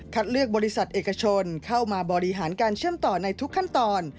เลือกบริษัทเอกชนเข้ามาบริหารการเชื่อมต่อในทุกขั้นตอน